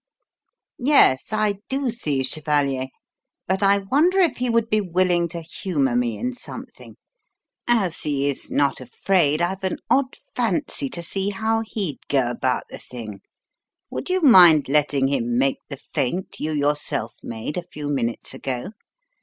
"Yes, I do see, chevalier; but I wonder if he would be willing to humour me in something? As he is not afraid, I've an odd fancy to see how he'd go about the thing. Would you mind letting him make the feint you yourself made a few minutes ago?